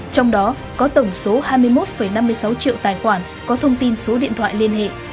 trong đó có tổng số hai mươi một năm mươi sáu triệu tài khoản có thông tin số điện thoại liên hệ